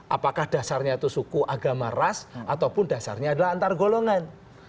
apakah dasarnya itu suku agama ras ataupun dasarnya adalah antar golongan